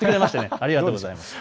ありがとうございます。